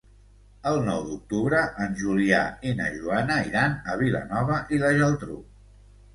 El nou d'octubre en Julià i na Joana iran a Vilanova i la Geltrú.